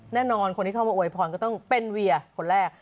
แน่นอนคนที่เข้ามาอวยพรก็ต้องเป็นเวียคนแรก